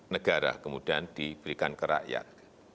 negara kemudian diberikan ke rakyat